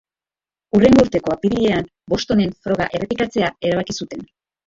Hurrengo urteko apirilean Bostonen froga errepikatzea erabaki zuten.